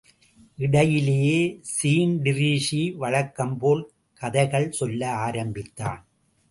இடையிலே ஸீன்டிரீஸி வழக்கம் போல் கதைகள் சொல்ல ஆரம்பித்தான்.